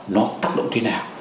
nó tác động thế nào